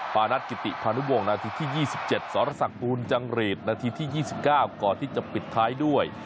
ปานัทกิติพานุวงนาทีที่๒๗สรษักบุญจังหรีดนาทีที่๒๙ก่อนที่จะปิดท้ายด้วย